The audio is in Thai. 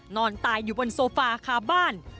นอนตายอยู่บนโซฟาคาบ้าน